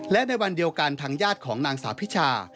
และในวันเดียวกันทางญาติของนางสาวพิชา